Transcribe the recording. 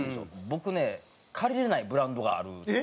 僕ね借りれないブランドがあるんです。